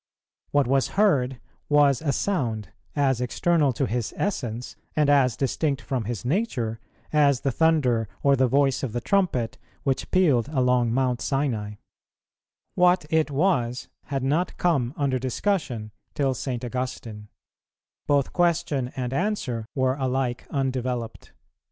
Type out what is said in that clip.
What was heard was a sound, as external to His Essence, and as distinct from His Nature, as the thunder or the voice of the trumpet, which pealed along Mount Sinai; what it was had not come under discussion till St. Augustine; both question and answer were alike undeveloped.